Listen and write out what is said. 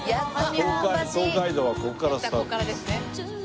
東海道はここからスタートです。